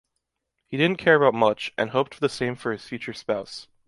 He didn’t care about much, and hoped the same for his future spouse.